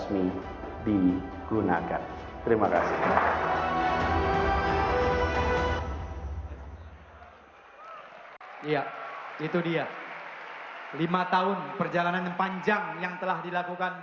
merdeka untuk kesejahteraan